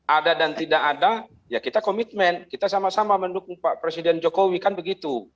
ada dan tidak ada ya kita komitmen kita sama sama mendukung pak presiden jokowi kan begitu